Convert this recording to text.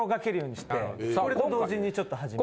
これと同時にちょっと始めて。